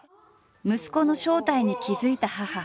息子の正体に気付いた母。